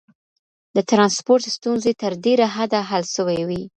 د ترانسپورت ستونزي تر ډيره حده حل سوي وې.